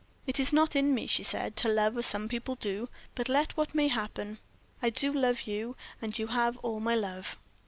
"It is not in me," she said, "to love as some people do; but, let what may happen, I do love you, and you have all my love."